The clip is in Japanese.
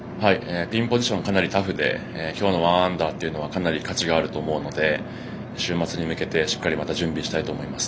ピンポジションがかなりタフで今日の１アンダーというのはかなり価値があると思うので週末に向けてしっかり準備したいと思います。